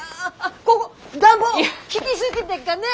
こご暖房効ぎ過ぎでっかねえ！